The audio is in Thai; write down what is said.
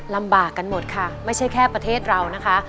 ลำบากกันหมดค่ะไม่ใช่แค่ประเทศเรานะคะ